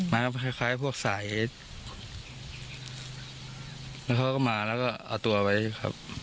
คล้ายพวกสายแล้วเขาก็มาแล้วก็เอาตัวไว้ครับ